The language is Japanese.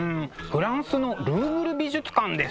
フランスのルーブル美術館です。